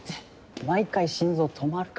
毎回心臓止まるから。